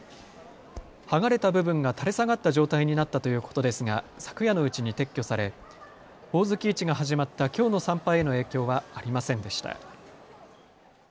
剥がれた部分が垂れ下がった状態になったということですが昨夜のうちに撤去され、ほおずき市が始まったきょうの参拝への影響はありませんでした。